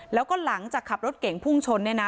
แล้วก็หลังจากขับรถเก่งพุ่งชนเนี่ยนะ